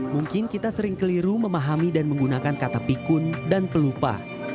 mungkin kita sering keliru memahami dan menggunakan kata pikun dan pelupa